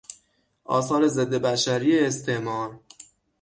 آثار ضد بشری استعمار